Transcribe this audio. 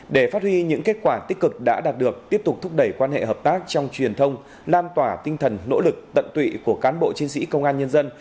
để phát huy những kết quả tích cực đã đạt được tiếp tục thúc đẩy quan hệ hợp tác trong truyền thông lan tỏa tinh thần nỗ lực tận tụy của cán bộ chiến sĩ công an nhân dân